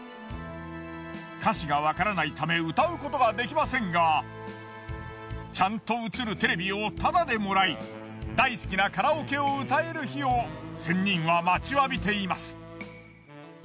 歌詞がわからないため歌うことができませんがちゃんと映るテレビをタダでもらい大好きなカラオケを歌える日を仙人は待ちわびています。